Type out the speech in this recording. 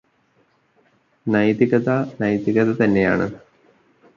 നൈതികത നൈതികത തന്നെയാണ്.